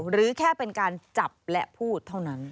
หรือแค่เป็นการจับและพูดเท่านั้น